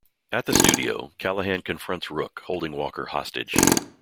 At the studio, Callahan confronts Rook holding Walker hostage.